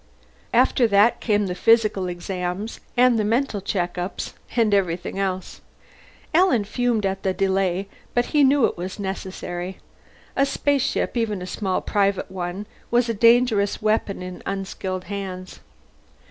After that came the physical exams and the mental checkup and everything else. Alan fumed at the delay, but he knew it was necessary. A spaceship, even a small private one, was a dangerous weapon in unskilled hands.